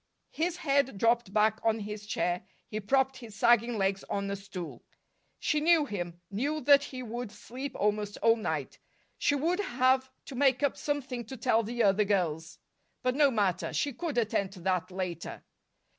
His head dropped back on his chair; he propped his sagging legs on a stool. She knew him knew that he would sleep almost all night. She would have to make up something to tell the other girls; but no matter she could attend to that later.